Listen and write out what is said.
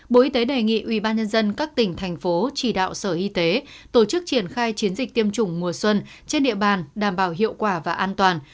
ban nhân dân các tỉnh thành phố chỉ đạo sở y tế tổ chức triển khai chiến dịch tiêm chủng mùa xuân trên địa bàn đảm bảo hiệu quả và an toàn